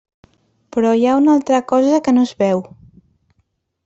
Però hi ha una altra cosa que no es veu.